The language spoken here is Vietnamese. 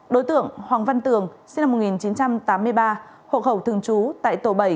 đối tượng hoàng văn tường sinh năm một nghìn chín trăm tám mươi ba hộ khẩu thường trú tại tổ bảy